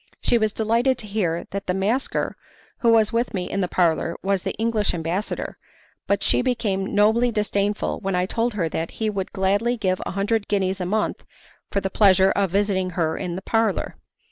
She was delighted to hear that the masker who was with me in the parlour was the English ambassador, but she became nobly disdainful when I told her that he would gladly give a hundred guineas a month for the pleasure of visiting her in the parlour.